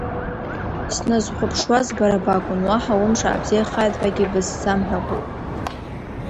Сназхәаԥшуаз бара бакәын, уаҳа умш аабзиахааит ҳәагьы бызсамҳәакәа…